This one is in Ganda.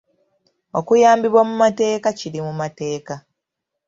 Okuyambibwa mu mateeka kiri mu mateeka.